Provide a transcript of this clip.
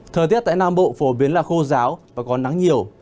thời tiết tại nam bộ phổ biến là khô giáo và có nắng nhiều